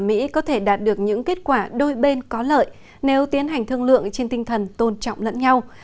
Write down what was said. chủ tiên và mỹ có thể đạt được những kết quả đôi bên có lợi nếu tiến hành thương lượng trên tinh thần tôn trọng lẫn nhau